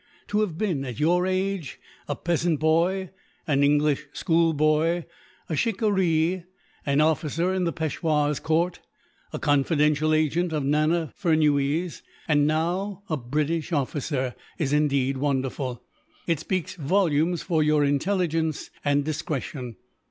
To have been, at your age, a peasant boy, an English school boy, a shikaree, an officer in the Peishwa's court, a confidential agent of Nana Furnuwees, and now a British officer, is indeed wonderful. It speaks volumes for your intelligence and discretion."